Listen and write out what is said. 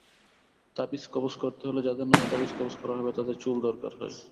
তাবিজ–কবজ করতে হলে যাদের নামে তাবিজ করা হবে, তাদের চুল দরকার হয়।